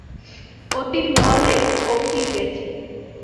অতীন বললে অখিল গেছে।